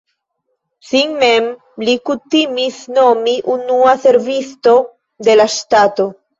Sin mem li kutimis nomi "unua servisto de la ŝtato".